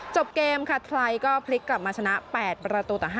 จบเกมค่ะไทยก็พลิกกลับมาชนะ๘ประตูต่อ๕